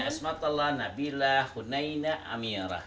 ismatullah nabilah hunaynah amirah